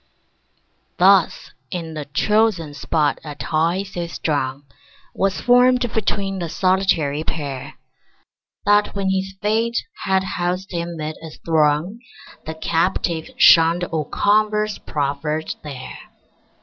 Thus in the chosen spot a tie so strong Was formed between the solitary pair, That when his fate had housed him 'mid a throng The Captive shunned all converse proffered there.